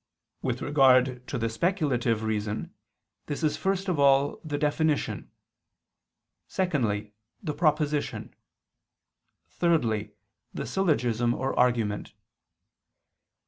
With regard to the speculative reason, this is first of all the definition; secondly, the proposition; thirdly, the syllogism or argument.